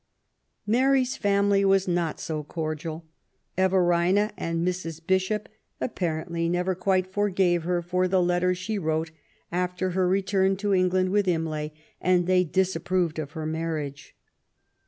Mary's family were not so cordial. Everina and Mrs. Bishop apparently never quite forgave her for the letter she wrote after her return to England with Imlay, and they disapproved of her marriage.